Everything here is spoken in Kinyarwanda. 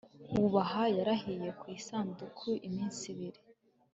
wubaha, yarahiye ku isanduku iminsi ibiri